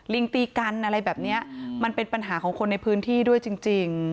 ลิงตีกันอะไรแบบนี้มันเป็นปัญหาของคนในพื้นที่ด้วยจริง